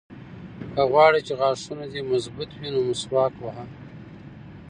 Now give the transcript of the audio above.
که غواړې چې غاښونه دې مضبوط وي نو مسواک وهه.